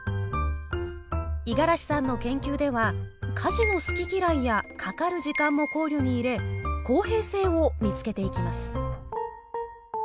五十嵐さんの研究では家事の好き嫌いやかかる時間も考慮に入れ公平性を見つけていきます。